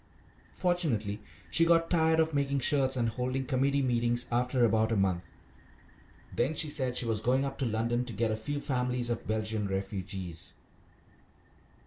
Fortunately she got tired of making shirts and holding committee meetings after about a month. Then she said she was going up to London to get a few families of Belgian refugees.